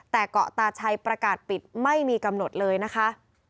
แต่เกาะตาชัยประกาศปิดไม่มีกำหนดเลยนะคะ